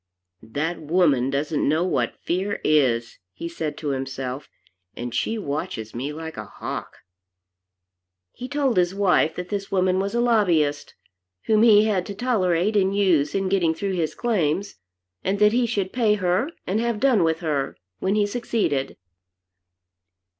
"That woman doesn't know what fear is," he said to himself, "and she watches me like a hawk." He told his wife that this woman was a lobbyist, whom he had to tolerate and use in getting through his claims, and that he should pay her and have done with her, when he succeeded.